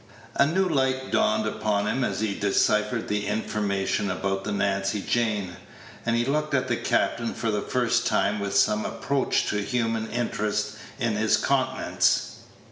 A new light dawned upon him as he deciphered the information about the Nancy Jane, and he looked at the captain for the first time with some approach to human interest in his countenance.